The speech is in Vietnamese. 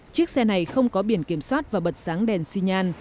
chiếc xe này không có biển kiểm soát và bật sáng đèn xinhan